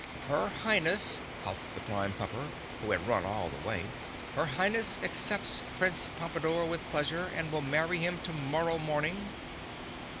"Her Highness," puffed the Prime Pumper, who had run all the way, "Her Highness accepts Prince Pompadore with pleasure and will marry him to morrow morning."